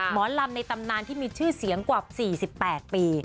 หมอลำในตำนานที่มีชื่อเสียงกว่า๔๘ปี